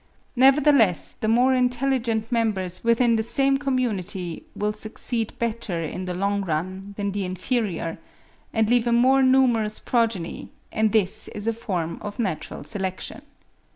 Nevertheless the more intelligent members within the same community will succeed better in the long run than the inferior, and leave a more numerous progeny, and this is a form of natural selection.